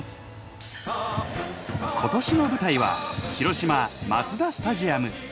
今年の舞台は広島マツダスタジアム。